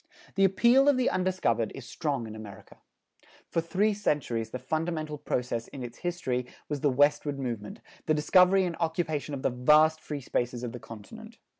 The appeal of the undiscovered is strong in America. For three centuries the fundamental process in its history was the westward movement, the discovery and occupation of the vast free spaces of the continent.